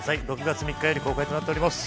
６月３日より公開となっております。